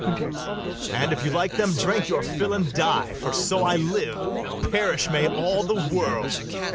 And, if you like them, drink your fill and die; For, so I live, perish may all the world!